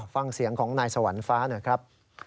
ฟังเสียงของนายสวรรค์ฟ้าหน่อยครับ